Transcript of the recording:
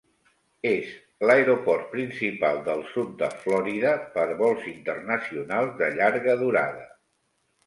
És l'aeroport principal del sud de Florida per vols internacionals de llarga durada.